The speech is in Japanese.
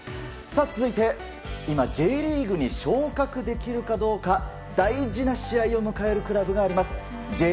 続いてＪリーグに昇格できるかどうか大事な試合を迎えるクラブがあります。